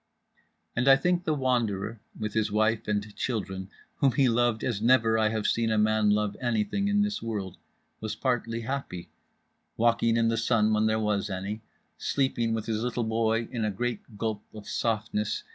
And I think The Wanderer, with his wife and children whom he loved as never have I seen a man love anything in this world, was partly happy; walking in the sun when there was any, sleeping with his little boy in a great gulp of softness.